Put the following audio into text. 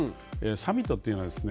サミットっていうのはですね